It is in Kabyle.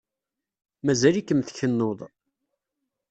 Mazal-ikem tkennuḍ.